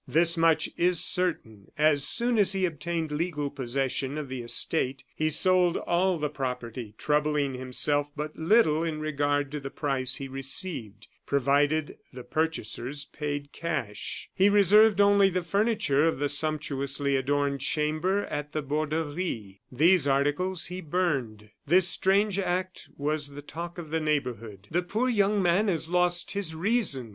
This much is certain, as soon as he obtained legal possession of the estate, he sold all the property, troubling himself but little in regard to the price he received, provided the purchasers paid cash. He reserved only the furniture of the sumptuously adorned chamber at the Borderie. These articles he burned. This strange act was the talk of the neighborhood. "The poor young man has lost his reason!"